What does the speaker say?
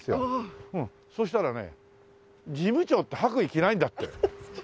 そしたらね事務長って白衣着ないんだって。